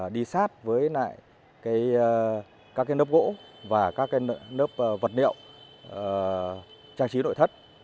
đi sát với các nớp gỗ và các nớp vật liệu trang trí nội thất